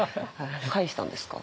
返したんですか？